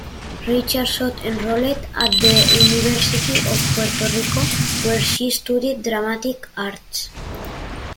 Richardson enrolled at the University of Puerto Rico where she studied Dramatic Arts.